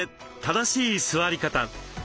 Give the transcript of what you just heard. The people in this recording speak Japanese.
正しい座り方。